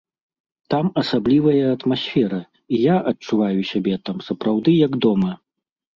Там асаблівая атмасфера, і я адчуваю сябе там сапраўды як дома.